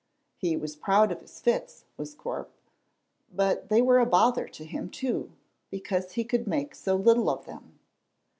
He was proud of his fits, was Corp, but they were a bother to him, too, because he could make so little of them.